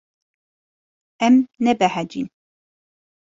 Em nebehecîn.